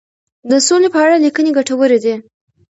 د سولي په اړه لیکنې ګټورې دي.